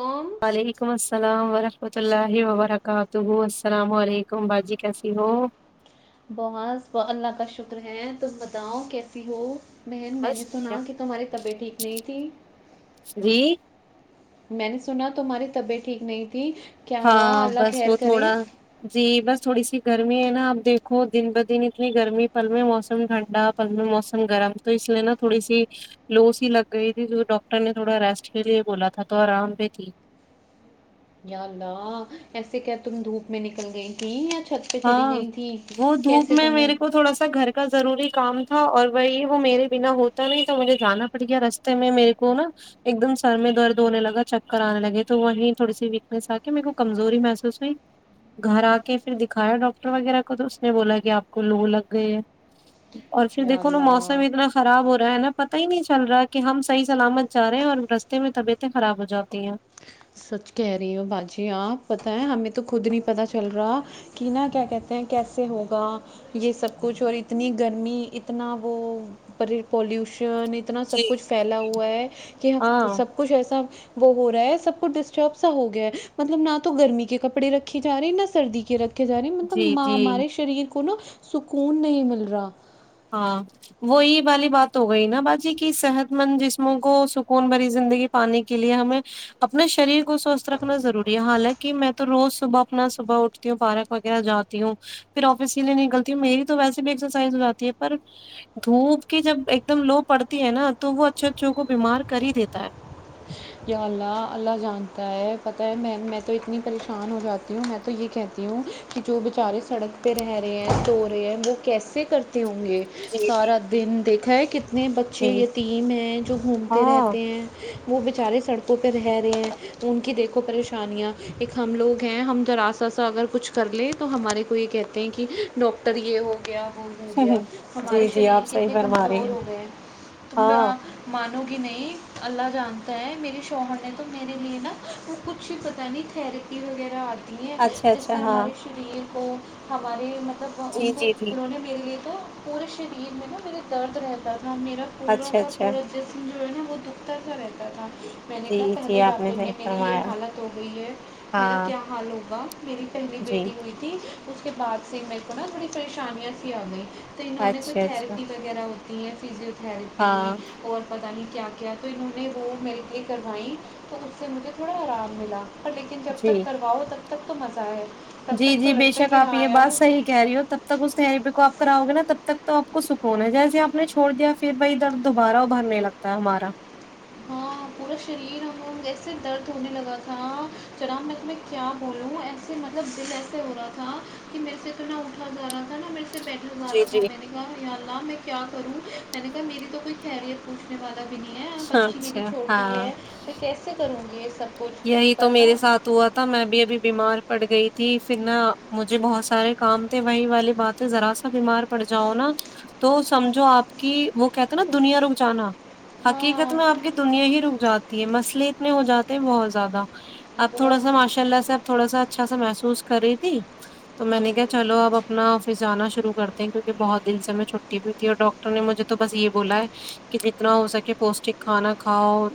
تم وعلیکم السلام ورحم ومت اللہ وبرکاتہ السلام علیکم باجی کیسی ہو بہت اللہ کا شکر ہے تم بتاؤ کیسی ہو بہن میں نے بس بڑھیا سنا کہ تمہاری طبیعت ٹھیک نہیں تھی جی میں نے سنا تمہاری طبیعت ٹھیک نہیں تھی کیا ہوا ہاں اللہ بس خیر وہ کرے تھوڑا جی بس تھوڑی سی گرمی ہے نا اپ دیکھو دن ب دن اتنی گرمی پل میں موسم ٹھنڈا پل میں موسم گرم تو اس لیے نا تھوڑی سی لو سی لگ گئی تھی جو ڈاکٹر نے تھوڑا ریسٹ کے لیے بولا تھا تو آرام پہ تھی یا لا ایسے کیا تم دھوپ میں نکل گئی تیں یا چھت پہ چلی ہاں گئی تھی وہ دھوپ کیسے میں تمہیں میرے کو تھوڑا سا گھر کا ضروری کام تھا اور وہی وہ میرے بنا ہوتا نہیں تو مجھے جانا پڑ گیا رستے میں میرے کو نا ایک دم سر میں درد ہونے لگا چکر آنے لگے تو وہی تھوڑی سی ویکنیس آ کے میرے کو کمزوری محسوس ہوئی گھر آ کے پھر کایا ڈاکٹر وغیرہ کو تو اس نے بولا کہ آپ کو لو لگ گئی ہے اور پھر یا دیکو نا موسم اللہ اتنا خراب ہو رہا ہے نا پت ہی نہیں چل رہا کہ ہم صحیح سلامت جا رہے ہیں اور رستے میں طبیعتیں خراب ہو جاتی ہیں سچ کہہ رہی ہو باجی آپ پتہ ہے ہمیں تو خود نہیں پتا چل رہا کہ نا کیا کہتے ہیں کیسے ہوگا یہ سب کچھ اور اتنی گرمی اتنا وہ پولوشن اتنا جی سب کچھ جی پھیلا جی ہوا ہے کہ ہاں سب کچھ ایسا وہ ہو رہا ہے سب ڈسٹرب سا ہو گیا ہے مطلب نہ تو گرمی کے کپڑے رکھے جا رہی نہا سردی کے رکھتے جا رہی جی مطلب جی ہمارے شریر کو نا سکون نہیں مل رہا ہاں وہی والی بات ہو گئی نا باجی کی صحت مند جسموں کو سکون بھری زندگی پانے کے لیے ہمیں اپنے شریر کو سوستھ رکھنا ضروری ہے حالانکہ میں تو روز صبح اپنا صبح اٹھتی ہوں پارک وغیرہ جاتی ہوں پھر آفس کے لیے نکلتی ہوں میری تو ویسے بھی ایکسرسائز ہو جاتی ہے پر دھوپ کی جب ایک دم لو پڑتی ہے نا تو وہ اچھے اچھوں کو بیمار کر ہی دیتا ہے اللہ اللہ جانتا ہے پتہ ہے میں میں تو اتنی پریشان ہو جاتی ہوں میں تو یہ کہتی ہوں کہ جو بیچارے سڑک پہ رہ رہے ہیں تو رہے ہیں وہ کیسے کر ہوں گے جی جی سارا جی دن دیکھا ہے کتنے بچے جی یتیم ہیں جو گھومتے ہاں رہتے ہیں [unintelligible] بچارے سڑکوں پہ رہ رہے ہیں ان کی دیکھو پریشانیاں ایک ہم لوگ ہیں ہم ذرا سا سا اگر کچھ کر لیں تو ہمارے کو یہ کہتے ہیں کہ ڈاکٹر یہ ہو گیا ہو گیا ہمارے جی جی شریر آپ صحیح کتنے فرما رہے کمزور ہیں ہو گئے ت ہاں کی نہیں اللہ جان میرے شوہر نے تو میرے لیے نا وہ کچھ پتاہ نہیں تھرپی وغیرہ آتی اچھا جس اچھا سے ہاں ہمارے شریر کو ہماری مطب جی ان کو جی جی پرہنے میرے تو پورے شریر میں نا میرا درد رہتا تھا [unintelligible] میں اچھا اچھا نے وہہت دکھتر کر رہے [unintelligible] میں نے کہا جی جی پہلے آپ نے جاپل صحیح میں میری فرمایا یہ حالت ہو گئی ہے میرا ہاں کیا حال ہوگا میری پہلی جی بیٹی ہوئی تھی اس کے بعد سے میرے کو نا تھوڑی پریشانیاں س آ گئی تو انہوں نے کوئی اچھا اچھا تھیریٹی وغیرہ ہو [unintelligible] تھرپی ہاں اور پتا نہیں کیا کیا تو [unintelligible] [inaudible] لیکن جب جی تک کرواؤ تب تب تو مزہ آئے جی جی بےشک آپ یہ بات صحی کہہ رہی ہو تب تک اس تری پی کو آپ کراؤ گے نا تب تک تو آپ کو سکون ہے جیسے آپ نے چھوڑ دیا پھر بھائی درد دوبارہ ابھرنے لگتا ہے ہمارا ہاں پورا شریر ہم ایسے درد ہونے لگا تھا جر میں تمہیں کیا بولوں ایسے مطلب دل ایسے ہو رہا تھا کہ میرے سے جو نہ اٹھا جا رہا تھا نہا م جی جی سے [unintelligible] میں کیا کروں میں نے کہا میری تو کوئی خریت پوچھنے والا بھی نہیں ہے اچھی میری اچھا چھوٹی ہاں ہے میں کیسے کروں گی یہ سب کچھ یہی تو پر نا میرے ساتھ ہوا تھا میں بھی ابھی بیمار پڑ گئی تھی پھر نا مجھے بہت سارے کام تھے وہی والی باتیں ذرا سا بیمار پڑ جاؤ نا تو سمجھو آپ کی وہ کہتے نا دنیا رک جانا حقیقت ہاں میں آپ کی دنیا ہی رک جاتی مسلے اتنے ہو جاتے بہت زیادہ اب تھوڑا سا بہت ماشاء اللہ سے اپ تھوڑا سا اچھا س محسوس کری ت تو میں نے کیا چلو اب اپنا پھر جانا شروع کرتے ہیں کیونکہ بہت دل سے میں چھٹی بھی تھی اور ڈاکٹر نے مجھے تو بس یہ بولا ہے کہ جتنا ہو سکے پوشٹک کھانا کھاؤ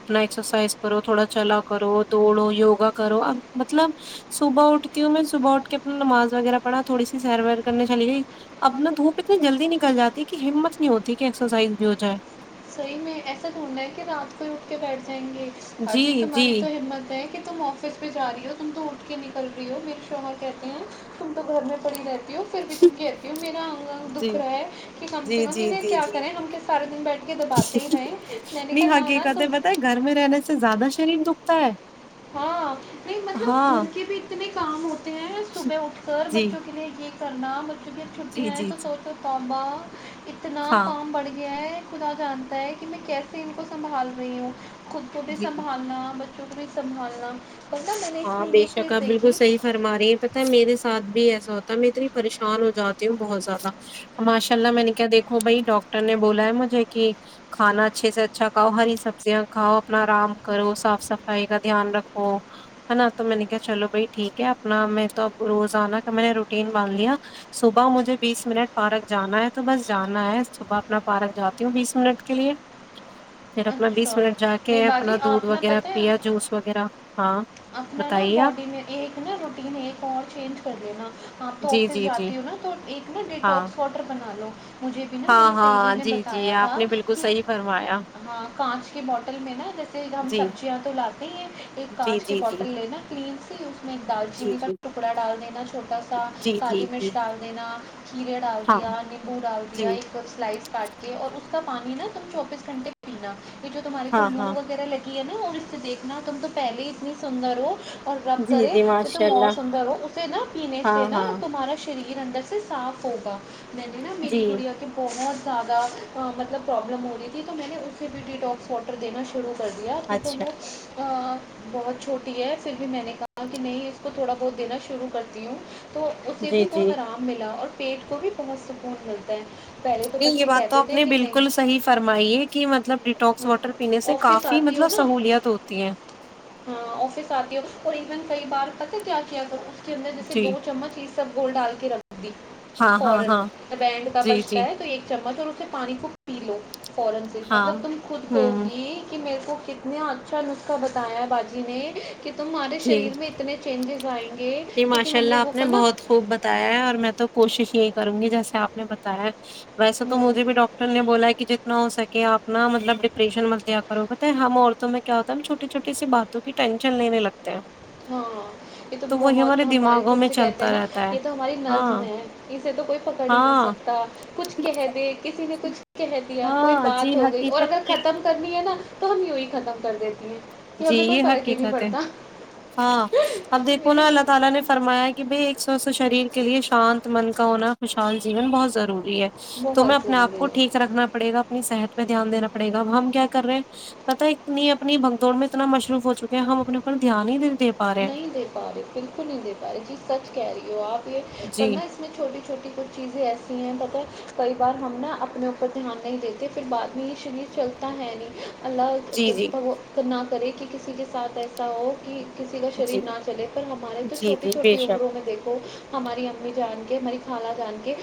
اپنا ایکسرسائز کرو تھوڑا چلا کرو دوڑو یوگا کرو اب مطلب صبح اٹھتی ہوں میں صبح اٹھ کے اپنا نماز وغیرہ پڑا تھوڑی سی سیر ویر کرنے چلی گئی ا اپنا دھوپ اتنی جلدی نکل جاتی ہے کہ ہمت نہیں ہوتی کہ ایکسرسائز بھی ہو جائے صحی میں ایسا ڈھونڈا ہے کہ رات کو ہی اٹھ کے بیٹھ ج جائیں گے با جی تمہاری تو ہمت ہے کہ تم آفس میں جا رہی ہو تم تو اٹھ کے نکل رہی ہو میرے شوہر کہتے ہیں تم تو گھر میں پڑی رہتی ہ پھر بھی تم کہتی ہو میرا دکھ جی رہا ہے کہ کم سے جی کم جی انہیں جی کیا جی کریں ہم کے سارے دن بیٹھے نہیں آگے تم کہتے بت گھر میں رہنے سے زیادہ شریر دکھتا ہے ہاں نہیں مطلب گھر ہاں کے بھی اتنے کام ہوتے ہیں صبح اٹھ کر جی بچوں کے لیے یہ سر نام کیونکہ جی چھٹیاں ہیں جی تو جی سوچوتا ب اتنا ہاں کام بڑھ گیا ہے خدا جانتا ہے کہ میں کیسے ان کو سنبھال رہی ہوں خود کو بھی جی سنبھالنا ب [unintelligible] سنبھالنا ہاں بے شک چیز آپ بالکل دیکھی صحیح فرما رہے ہیں پتا ہے میرے ساتھ بھی ایسا ہوتا ہے میں اتنی پریشان ہو جاتی ہوں بہت زیادہ اور ماشاء اللہ میں نے کیا دیکھو بھائی ڈاکٹر نے بولا ہے مجھے کہ کھانا اچھے سے اچھا کھاؤ ہری سبزیاں کھاؤ اپنا آرام کرو صاف صفائی کا دھیان رکھو ہے نا تو میں نے کہ چلو بھائی ٹھیک ہے اپنا میں تو اب روز آنا کا میں نے روٹین بال دیا صبح مجھے بیس منٹ پارک جانا ہے تو بس جانا ہے صبح اپنا پارک جاتی ہوں بیس منٹ کے لیے پھر اپنا بیس اچھا منٹ جا کے نہیں اپنا باجی دودھ آپ نا وغیرہ پتہ ہے پیا جوس وغیرہ ہاں اپنا نا بتائیے آپ باڈی میں ایک نا روٹیین ایک اور چینج کر د نا آپ تو جی آفس جی جی جاتی ہ نا تو ایک نا ہاں ڈیٹواکس واڈر بنا لو مجھے بھی نا ہاں میری سہیلی ہاں نے جی جی بتایا آپ تھا نے بالکل کہ صحیح فرمایا ہاں کانچ کی بوٹل میں نا جیسے ہم جی سبزیاں تو لاتے ہیں ایک جی کانچ کی جی جی بوٹل لینا کلین سی اس میں ایک جی دالچینی کا جی ٹکڑا ڈال دینا چھوٹا سا جی جی کالی جی مرچ ڈال دینا کھیرے ڈال ہاں دیا نیمبو ڈال جی دیا ایک سلائس کاٹ کے اور اس کا پانی نا تم چوبیس گھنٹے پینا جو تمہاریے کو ہاں لو ہاں وغیرہ لگ نا اور اس سے دیکھنا تم تو پہلے ہی اتنی سندر ہو اور رب جی کرے جی کہ ماشاء تم اور اللہ سندر ہو اسے نہا پینے ہاں سے نا ہاں تمہارا شریر اندر سے صاف ہوگا میں نے نا میری جی گڑی ا کے بہت زیادہ مطلب پرابلم ہو رہی تھی تو میں نے اس ہیپیٹی ڈاپس واٹر د شروع کر دیا پھر تو اچھا میں بہت چھوٹی ہے پھر بھی میں نے کہا کہ نہیں اس کو تھوڑا بہت دینا شروع کرتی ہوں تو اسے جی بھی جی بہت آرام ملا اور پیٹ کو بھی بہت سپورٹ ملتا ہے پہلے تو نہیں یہ بچے بات تو کہتے آپ تھے نے کہ بالکل نہیں صحیح فرمائی ہے کہ مطلب ڈیٹاکس ہاں واٹر پینے سے آفس کافی آتی ہو مطلب نا سہولت ہوتی ہے میں نے کئی بار پت کیا کیا کروں اندر جیسے جی دو چمچ یہ سب گول ڈال ہاں [inaudible] فور ہاں ہاں بینڈ کا جی بچتا جی ہے تو ایک چمچ اور سے پانی کو پی لو فورن سے ہاں مطلب تم خود کہو ہوں گی کہ میرے کو کتنا اچھا نسخہ بتایا ہے باجی نے کہ تمہارے جی شریر میں اتنے چینجز آئیں گے جی کیونکہ ماشاء ہم اللہ لوگوں آپ نے کا نا بہت خوب بتایا ہے اور میں تو کوشش یہی کروں گی جیسے آپ نے بتایا ویسے تو مجھے بھی ڈاکٹر نے بولا کہ جتنا ہو سکے کہ آنا مطلب ڈپریشن مت لیا کر ہوگت ہے ہم عورتوں میں کیا ہوتا ہے نا چھوٹی چھوٹی سی باتوں کی ٹینشن لینے لگتے ہیں ہاں یہ تو تو وہی ہمارے بہت ہماری دماغوں میں توے کہتے ہیں چلتا نا رہتا ہے یہ تو ہماری نظم ہاں ہے اسے تو کوئی پکڑ ہی نہیں ہاں سکتا کچھ کہہ دے ک نے کچھ کہ دیا کوئی ہاں بات جی ہو گئی اور حقیقت اگر میں ختم کرنی ہے نا تو ہم یی ختم کر دیتی ہیں کہ جی ہمیں کوئی یہ فرق ہی نہیں حقیقت ہے پڑتا ہے اب دیکھو نا میرے اللہ تلا نے فرمایا کہ بھی سوستھ شریر کے لیے شانت من کا ہونا خوشال جیون بہت ضروری تو میں بہت اپنے آپ ضروری کو ہے ٹھیک رکھنا پڑے گا اپنی صحت پہ دھیان دا پڑے گا ہم کیا کر رہے ہیں پتا ایکتنی اپنی بن دوڑ میں اتنا مشروف ہو چکے ہیں ہم اپنے اوپر دھی ہی نہیںیںے نہیں دے پا رہے بالکل نہیں دے پا رہے جی سچ کہہ رہی ہو آپ ہے جی پرورنہ اس میں چھوٹی چھوٹی کچھ چیزیں ایسی ہیں پر کئی بار ہم نا اپنے اوپر دھیان نہیں دیتے پھر بعد میں یہ شریر چلتا ہے نہیں جی اللہ جی کرنا کرے کہ کسی کے ساتھ ایسا ہو کہ کسی کا شریر جی نہ چلے پر ہمارے تو جی چھوٹی جی بے چھوٹی شک عمروں میں دیکھو ہمارے امی جان کے ہماری خالہ جان کے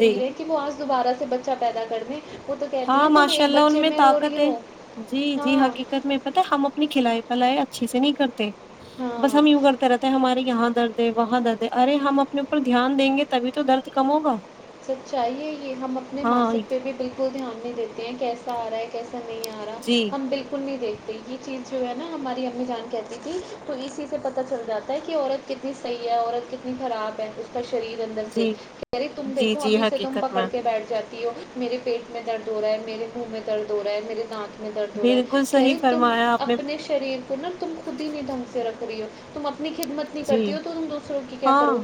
جی [unintelligible] [unintelligible] کہتی ہاں ہیں تم ایک ماشاءاللہ ان بچے میں رو رہی طاقت ہے ہو ہاں پتہ ہے ہم اچھے سے نہیں کرتے بس ہاں ہم یوں کرتے رہتے ہیں ہم ہمارے یہاں درد ہے وہاں درد ارے ہم اپنے اوپر دھیان دیں گے تبھی تو درد کم ہوگا ہاں [unintelligible] جی [unintelligible] [unintelligible] [unintelligible] جی جی جی [unintelligible] حقیقت میں [unintelligible] [unintelligible] بالکل صحیح فرمایا آپ نے [unintelligible] [unintelligible] جی ہاں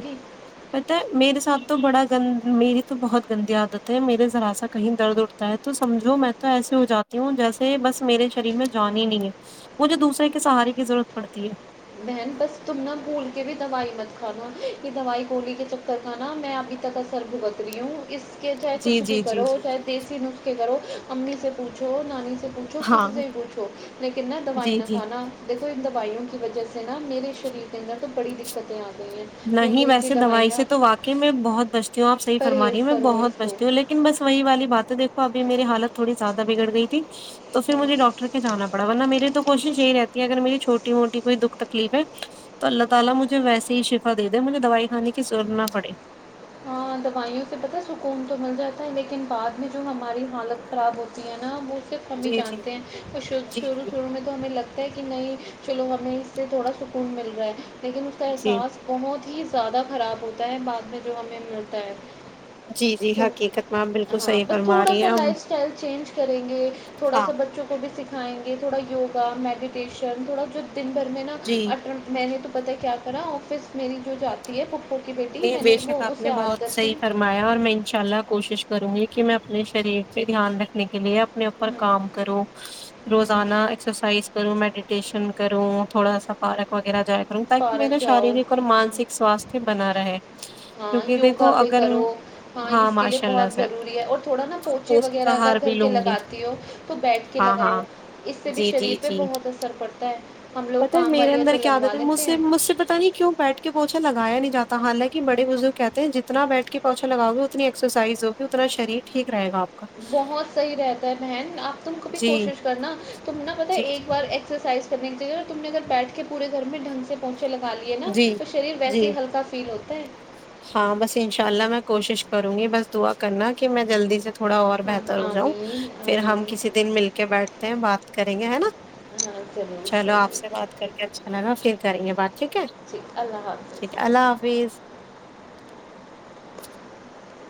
پتہ ہے ساتھ تو بڑا میرے تو بہت گندی عادت ہے میرے ذرا سا کہیں درد اٹھا ہے تو سمجھو میں تو ایسے ہو جاتے ہوں جیسے بس میرے شریر میں جان ہی نہیں ہے مجھے دوسرے کے سہارے کی ضرورت پڑتی ہے [unintelligible] [unintelligible] جی جی جی جی جی [unintelligible] ہاں [unintelligible] جی جی [unintelligible] [unintelligible] [unintelligible] یہ انگریزی دوائیاں میں بہت بچتی ہوں پرہیز کرو اس کو [unintelligible] تو مجھے ڈاکٹر کے جانا پڑا ورنہ میرے تو کوشش یہی رہتی ہے کہ اگر مجھے چھوٹی موٹی کوئی مجھے دوائی کھانے کی ضرورت نہ پڑے [unintelligible] [unintelligible] [unintelligible] [unintelligible] زیادہ خراب جی جی جی جی جی ہوتا ہے بعد میں جو ہمیں ملتا ہے جی جی حقیقت میں آپ بالکل ہاں صحیح بس فرما تھوڑا رہی سا ہیں ہم- لائف اسٹائل چینج کریں گے تھوڑا ہاں سا بچوں کو بھی سھ کھائیں گے تھوڑا یوگا میڈیٹیشن تھوڑا جو [unintelligible] ن بھر میں جی ناٹ میں نے تو پت کیا کرا آفس میری جو جاتی ہے پک ہووک بیٹی جی میں بے نے شک آپ اسے نے بہت عادت تھی صحی فرمایا اور میں ان شاء اللہ کو کوشش کروں گی کہ میں اپنے شریر پہ دھیان رکھنے کے لیے نے کام کرو رور م کروں تھوڑا سا پارک وغیرہ جائے ہ تاکہ میرا پارک جاؤ شاریرک اور مانسک ساستھ [unintelligible] ہاں یوگا پہ کرو ہاں اس کے لیے ماشاء اللہ بہت سے ضروری ہے اور تھوڑا نا اور پوچے پوشٹک وغیرہ اگر آہار گھر بھی کے لوں گی لگاتی ہو تو بیٹھ کے ہاں لگاؤ ہاں اس سے بھی جی جی شریر پہ جی بہت اثر پڑتا ہے ہم لوگ پتا ہے کام میرے والی اندر تو کیا لگوا عادت ہے مجھ لیتے سے ہیں مجھ سے پتا نہیں کیوں بیٹھ کے پوچھا لگایا نہیں جاتا ہالانک بڑے بزرگ کہتے ہیں جتنا بیٹھ کے پوچھا لگؤ گ اتنی ایکسرسائز ہوگ اتنا شریر ٹھیک رہے گا آپ کا بہت صحیح رہتا ہے بہن آپ تم کو بھی جی کوشش کرنا تم ن پتا جی جی ایک بار ایکسرسائز نے کی جگہ تم نے اگر بیٹھ کے پورے گھر میں ڈھن سے پہنچا لگا لیے نا جی تو شریر جی ویسے ہی ہلکا فیل ہوتا ایک ہاں بس انشاء اللہ میں کوشش کروں گی بس دعا کرنا کہ میں جلدی سے تھوڑا اور ہاں بہتر ہو جاؤں آمین پھر ہم آمین کسی دن مل کے بیٹھتے ہیں بات کریں گے ہے نا ہاں ضرور چلو آپ سے ضرور بات کر کے اچھا لگا پھر کریں گے بات ٹھیک ہے ٹھیک اللہ ٹھیک حافظ ہے اللہ حافظ [inaudible]